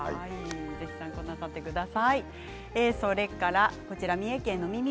参考になさってください。